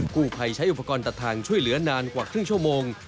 กู้ภัยใช้อุปกรณ์ตัดทางช่วยเหลือนานกว่าครึ่งชั่วโมง